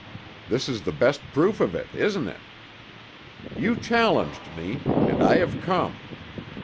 This is the best proof of it, isn't it? You challenged me—and I have come.